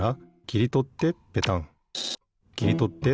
きりとってペタン。